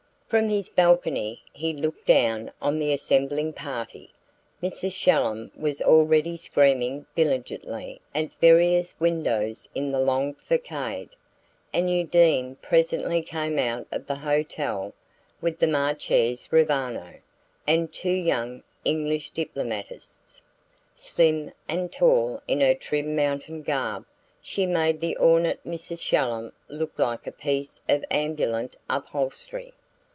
From his balcony he looked down on the assembling party. Mrs. Shallum was already screaming bilingually at various windows in the long facade; and Undine presently came out of the hotel with the Marchese Roviano and two young English diplomatists. Slim and tall in her trim mountain garb, she made the ornate Mrs. Shallum look like a piece of ambulant upholstery.